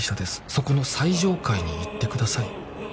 「そこの最上階に行ってください」